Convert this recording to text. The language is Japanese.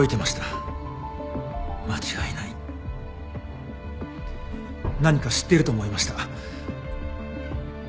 間違いない何か知ってると思いました。